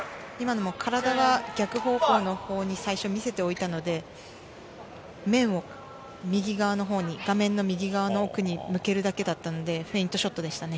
体を逆方向に見せておいたので面を右側のほうに画面の右側の奥に向けるだけだったので、フェイントショットでしたね。